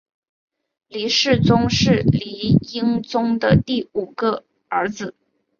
黎世宗是黎英宗的第五个儿子。